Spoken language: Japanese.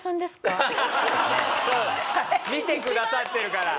見てくださってるから。